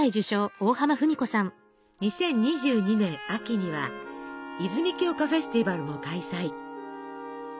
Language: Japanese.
２０２２年秋には「泉鏡花フェスティバル」も開催。